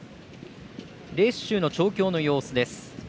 レース中の調教の様子です。